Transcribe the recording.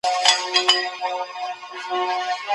د ټولني هر فرد خپل مسوولیتونه لري.